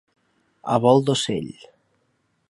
A vol d'ocell.